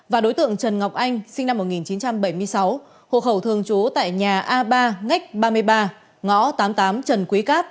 và đối tượng trần ngọc anh sinh năm một nghìn chín trăm bảy mươi sáu hộ khẩu thường trú tại nhà a ba ngách ba mươi ba ngõ tám mươi tám trần quý cáp